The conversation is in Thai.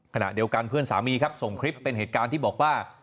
ขณะเดียวกันเพื่อนสามีครับส่งคลิปเป็นเหตุการณ์ที่บอกว่า